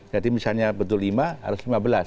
jadi misalnya betul lima harus lima belas